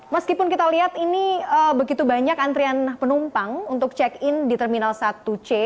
meskipun kita lihat ini begitu banyak antrian penumpang untuk check in di terminal satu c